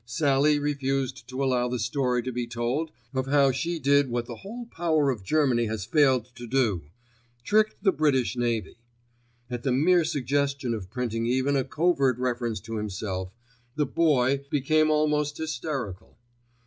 Sallie refused to allow the story to be told of how she did what the whole power of Germany has failed to do—tricked the British Navy. At the mere suggestion of printing even a covert reference to himself, the Boy became almost hysterical.